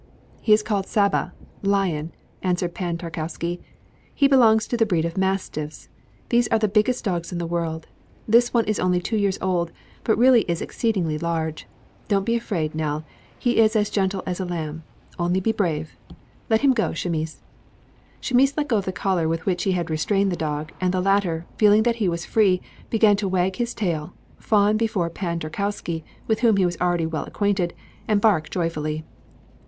"He is called Saba (lion)," answered Pan Tarkowski. "He belongs to the breed of mastiffs; these are the biggest dogs in the world. This one is only two years old but really is exceedingly large. Don't be afraid, Nell, as he is as gentle as a lamb. Only be brave. Let him go, Chamis." Chamis let go of the collar with which he had restrained the dog, and the latter, feeling that he was free, began to wag his tail, fawn before Pan Tarkowski with whom he was already well acquainted, and bark joyfully.